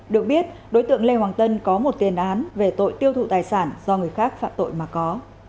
được biết đối tượng lê hoàng tân có một tiền án về tội tiêu thụ tài sản do người khác phạm tội mà có